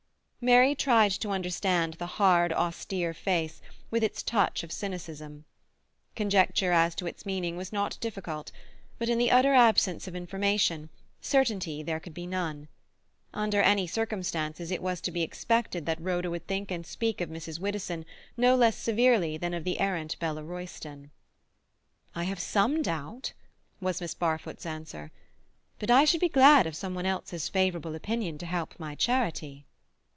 Mary tried to understand the hard, austere face, with its touch of cynicism. Conjecture as to its meaning was not difficult, but, in the utter absence of information, certainty there could be none. Under any circumstances, it was to be expected that Rhoda would think and speak of Mrs. Widdowson no less severely than of the errant Bella Royston. "I have some doubt," was Miss Barfoot's answer. "But I should be glad of some one else's favourable opinion to help my charity."